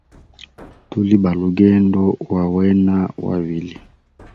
Tuli balugendo wa wena wa vilye.